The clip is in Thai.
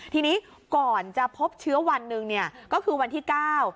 ทีนี้ก่อนจะพบเชื้อวันหนึ่งเนี่ยก็คือวันที่เก้า